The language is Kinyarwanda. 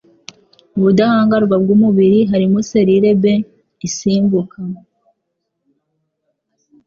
ubudahangarwa bw'umubiri harimo selile B isimbuka